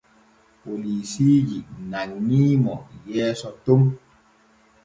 Polisiiji nanŋi mo yeeso ton.